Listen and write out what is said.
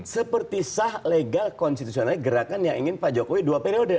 seperti sah legal konstitusionalnya gerakan yang ingin pak jokowi dua periode